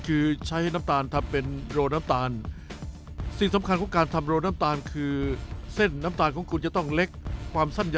ผมต้องพูดว่า